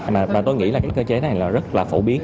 mà tôi nghĩ là cái cơ chế này là rất là phổ biến